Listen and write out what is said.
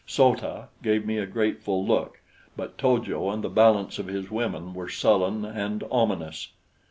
So ta gave me a grateful look; but To jo and the balance of his women were sullen and ominous.